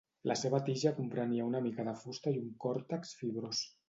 La seva tija comprenia una mica de fusta i un còrtex fibrós.